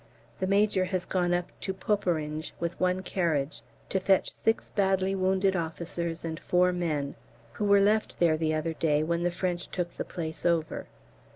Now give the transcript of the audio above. The Major has gone up to Poperinghe with one carriage to fetch six badly wounded officers and four men who were left there the other day when the French took the place over.